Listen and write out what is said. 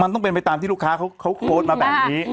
ต้องไปตามที่ลูกค้าโพสมาแบบนี้